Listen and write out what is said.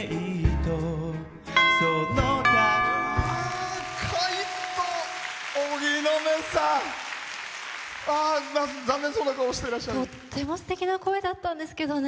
とってもすてきな声だったんですけどね。